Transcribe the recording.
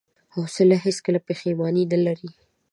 حوصله هیڅکله پښېماني نه لري.